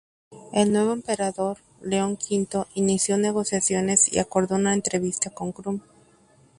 El nuevo emperador, León V inició negociaciones y acordó una entrevista con Krum.